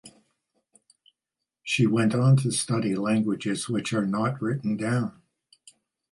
She went on to study languages which are not written down.